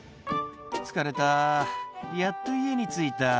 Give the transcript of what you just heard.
「疲れたやっと家に着いた」